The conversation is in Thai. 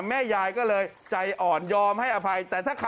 แม่ยายก็เลยใจอ่อนยอมให้อภัย